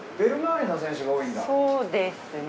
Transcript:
そうですね。